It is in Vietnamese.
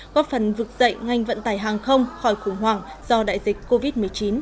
góp phần vực dậy ngành vận tải hàng không khỏi khủng hoảng do đại dịch covid một mươi chín